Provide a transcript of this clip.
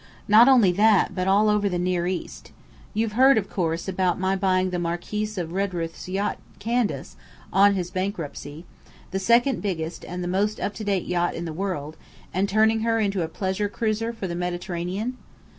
Not only that, but all over the near East. You've heard, of course, about my buying the Marquis of Redruth's yacht Candace, on his bankruptcy the second biggest, and the most up to date yacht in the world and turning her into a pleasure cruiser for the Mediterranean?"